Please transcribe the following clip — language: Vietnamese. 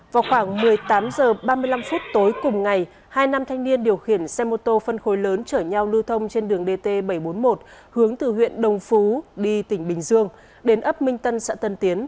vào khoảng một mươi tám h ba mươi năm phút tối cùng ngày hai nam thanh niên điều khiển xe mô tô phân khối lớn chở nhau lưu thông trên đường dt bảy trăm bốn mươi một hướng từ huyện đồng phú đi tỉnh bình dương đến ấp minh tân xã tân tiến